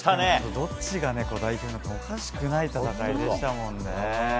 どっちが代表になってもおかしくない戦いでしたもんね。